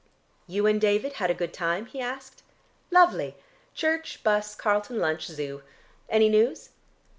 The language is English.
"You and David had a good time?" he asked. "Lovely! Church, bus, Carlton lunch, Zoo. Any news?"